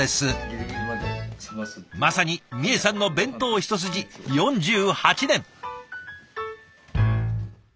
まさにみえさんの弁当一筋４８年。